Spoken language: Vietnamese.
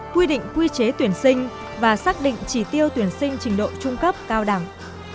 quy định quy chế tuyển sinh và xác định chỉ tiêu tuyển sinh trình độ trung cấp cao đẳng